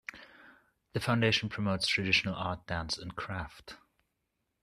The foundation promotes traditional art, dance and craft.